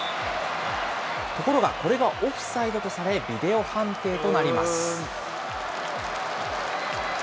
ところが、これがオフサイドとされビデオ判定となります。